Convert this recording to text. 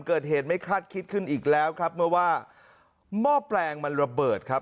เกิดเหตุไม่คาดคิดขึ้นอีกแล้วครับเมื่อว่าหม้อแปลงมันระเบิดครับ